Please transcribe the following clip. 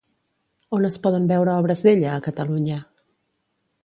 On es poden veure obres d'ella a Catalunya?